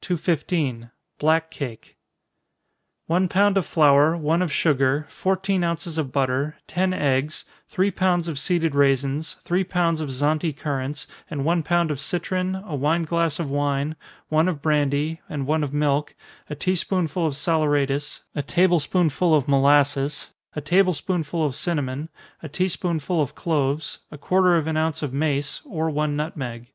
215. Black Cake. One pound of flour, one of sugar, fourteen ounces of butter, ten eggs, three pounds of seeded raisins, three pounds of Zante currants, and one pound of citron, a wine glass of wine, one of brandy, and one of milk, a tea spoonful of saleratus, a table spoonful of molasses, a table spoonful of cinnamon, a tea spoonful of cloves, a quarter of an ounce of mace, or one nutmeg.